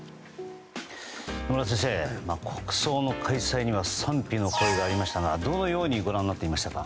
野村先生、国葬の開催には賛否の声がありましたがどのようにご覧になってましたか。